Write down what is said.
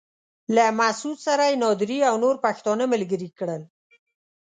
له مسعود سره يې نادري او نور پښتانه ملګري کړل.